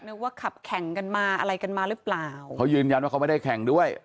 ว่าขับแข่งกันมาอะไรกันมาหรือเปล่าเขายืนยันว่าเขาไม่ได้แข่งด้วย